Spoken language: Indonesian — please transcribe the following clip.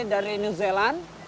dari new zealand